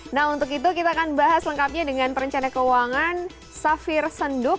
nah untuk itu kita akan bahas lengkapnya dengan perencana keuangan safir senduk